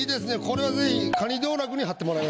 これはぜひ。